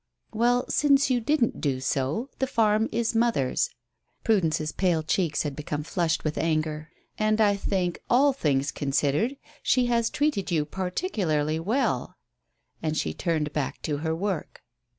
"Well, since you didn't do so, the farm is mother's." Prudence's pale cheeks had become flushed with anger. "And I think, all things considered, she has treated you particularly well." And she turned back to her work.